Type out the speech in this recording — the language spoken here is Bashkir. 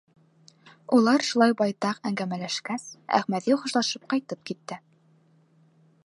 Улар шулай байтаҡ әңгәмәләшкәс, Әхмәҙи хушлашып ҡайтып китте.